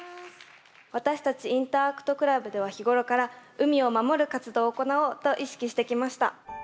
私たちインターアクトクラブでは日頃から海を守る活動を行おうと意識してきました。